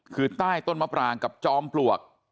คือใต้ต้นมะปรางกับจอมปลวก